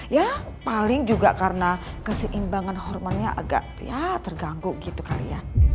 ya paling juga karena keseimbangan hormonnya agak ya terganggu gitu kali ya